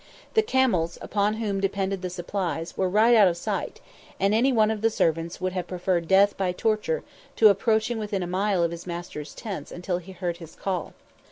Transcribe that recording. The camels, upon whom depended the supplies, were right out of sight, and any one of the servants would have preferred death by torture to approaching within a mile of his master's tents until he heard his call.